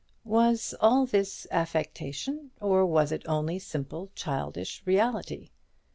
Was all this affectation, or was it only simple childish reality?